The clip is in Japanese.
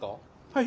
はい。